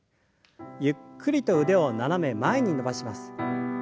ゆっくりと腕を斜め前に伸ばします。